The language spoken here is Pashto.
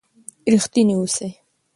ریښتینی اوسئ.